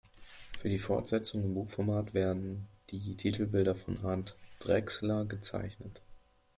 Für die Fortsetzung im Buchformat werden die Titelbilder von Arndt Drechsler gezeichnet.